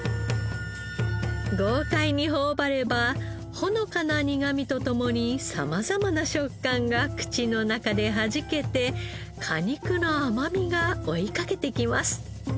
豪快に頬張ればほのかな苦みと共に様々な食感が口の中ではじけて果肉の甘みが追いかけてきます。